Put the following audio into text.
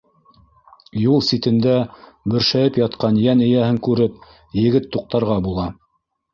Юл ситендә бөршәйеп ятҡан йән эйәһен күреп, егет туҡтарға була.